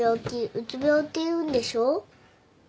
うつ病っていうんでしょ？